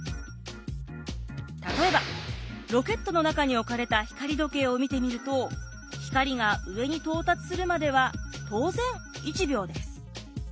例えばロケットの中に置かれた光時計を見てみると光が上に到達するまでは当然１秒です。